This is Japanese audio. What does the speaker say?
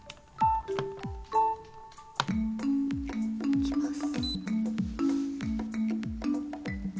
いきます。